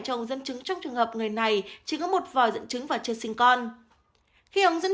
cho ống dẫn chứng trong trường hợp người này chỉ có một vòi dẫn chứng và chưa sinh con khi ống dẫn